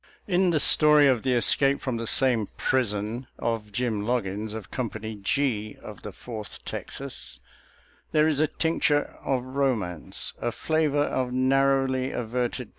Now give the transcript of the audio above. In the. story of the escape from the same prison of Jim Logging of Company G of the Fourth Texas there is a tincture of romance, a flavor of narrowly averted